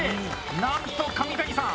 なんと上谷さん